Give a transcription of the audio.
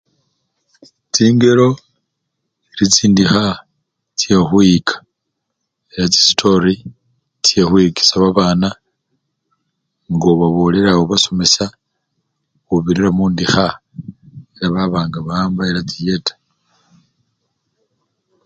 chingelo nechindikha chekhukhwiyika, ne chisitori chekhukhwiyikisya babana nga obabolela obasomesya khubirira mundikha nebaba nga bawamba ela chiyeta.